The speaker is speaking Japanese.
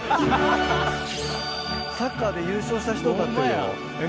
サッカーで優勝した人になってるよ。